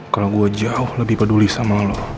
kalau gue jauh lebih peduli sama lo